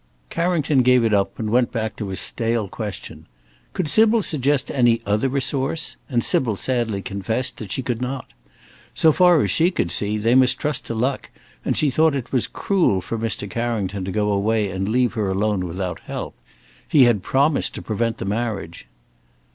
Carrington gave it up, and went back to his stale question: Could Sybil suggest any other resource? and Sybil sadly confessed that she could not. So far as she could see, they must trust to luck, and she thought it was cruel tor Mr. Carrington to go away and leave her alone without help. He had promised to prevent the marriage.